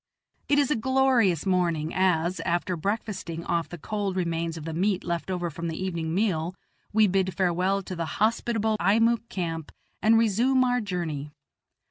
It is a glorious morning as, after breakfasting off the cold remains of the meat left over from the evening meal, we bid farewell to the hospitable Eimuek camp and resume our journey.